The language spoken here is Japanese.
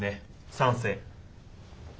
賛成。